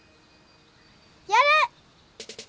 やる！